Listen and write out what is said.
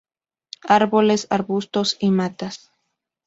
Árboles, arbustos y matas.